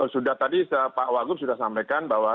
sudah tadi pak wagub sudah sampaikan bahwa